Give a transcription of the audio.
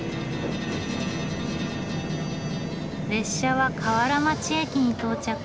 列車は瓦町駅に到着。